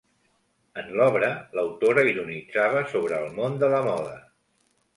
En l'obra, l'autora ironitzava sobre el món de la moda.